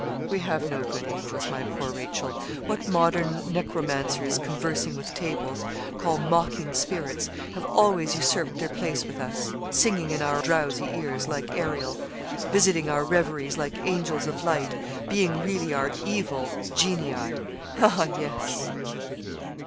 'We have no good angels, my poor Rachel: what modern necromancers, conversing with tables, call "mocking spirits," have always usurped their place with us: singing in our drowsy ears, like Ariel visiting our reveries like angels of light being really our evil genii ah, yes!'